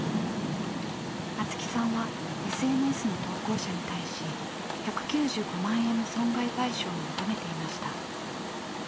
菜津紀さんはＳＮＳの投稿者に対し１９５万円の損害賠償を求めていました。